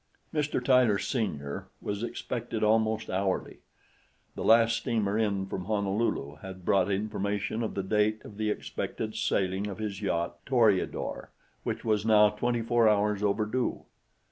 Mr. Tyler, Sr., was expected almost hourly. The last steamer in from Honolulu had brought information of the date of the expected sailing of his yacht Toreador, which was now twenty four hours overdue.